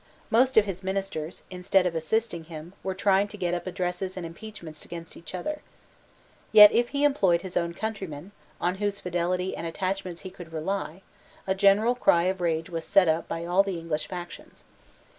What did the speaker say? Most of his ministers, instead of assisting him, were trying to get up addresses and impeachments against each other. Yet if he employed his own countrymen, on whose fidelity and attachment he could rely, a general cry of rage was set up by all the English factions.